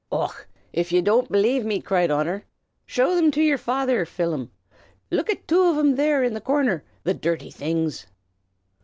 "Och, av ye don't belave me!" cried Honor. "Show thim to yer father, Phelim! Look at two av thim there in the corner, the dirrty things!"